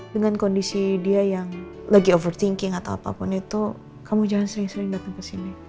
dengan kondisi dia yang lagi overthinking atau apapun itu kamu jangan sering sering datang ke sini